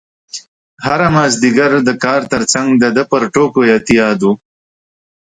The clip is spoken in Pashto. هره مازدیګر د کار ترڅنګ د ده پر ټوکو اعتیاد و.